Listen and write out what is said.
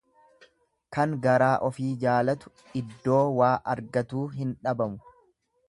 Kan garaa ofii jaalatu iddoo waa argatuu hin dhabamu.